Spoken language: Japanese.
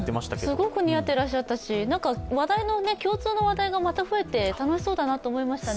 すごく似合ってらっしゃったし、共通の話題がまた増えて楽しそうだなと思いました。